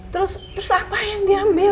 terus apa yang diambil